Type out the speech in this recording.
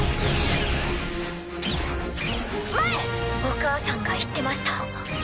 お母さんが言ってました。